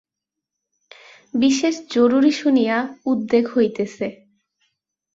বিশেষ জরুরি শুনিয়া উদ্বেগ হইতেছে।